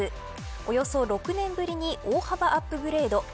およそ６年ぶりに大幅アップグレード。